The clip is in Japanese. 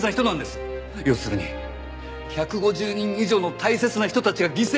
要するに１５０人以上の大切な人たちが犠牲になる。